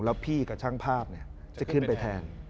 แล้วพี่กับช่างภาพจะขึ้นไปแทน